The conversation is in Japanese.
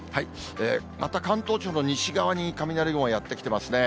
また関東地方の西側に雷雲がやって来ていますね。